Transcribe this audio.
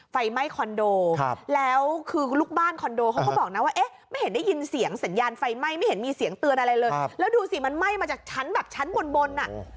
ไฟไหม้คอนโดแล้วคือลูกบ้านคอนโดเขาก็บอกนะว่าเอ๊ะไม่เห็นได้ยินเสียงสัญญาณไฟไหม้ไม่เห็นมีเสียงเตือนอะไรเลยแล้วดูสิมันไหม้มาจากชั้นแบบชั้นบนบนอ่ะ